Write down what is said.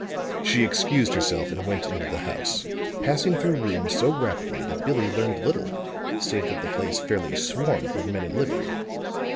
She excused herself and went into the house, passing through rooms so rapidly that Billie learned little, save that the place fairly swarmed with men in livery.